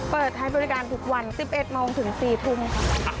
เปิดให้บริการทุกวัน๑๑โมงถึง๔ทุ่มค่ะ